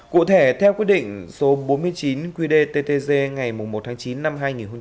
cụ thể theo quyết định số bốn mươi chín qdttg ngày một tháng chín năm hai nghìn một mươi chín